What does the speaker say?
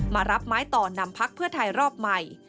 มารับไม้ต่อนำพักเพื่อไทยรอบใหม่